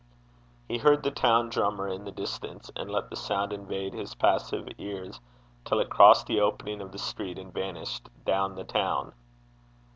He heard the town drummer in the distance, and let the sound invade his passive ears, till it crossed the opening of the street, and vanished 'down the town.'